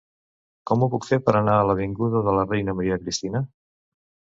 Com ho puc fer per anar a l'avinguda de la Reina Maria Cristina?